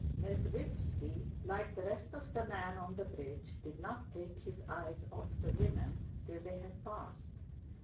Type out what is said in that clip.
Nesvítski like the rest of the men on the bridge did not take his eyes off the women till they had passed.